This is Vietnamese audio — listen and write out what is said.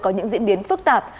có những diễn biến phức tạp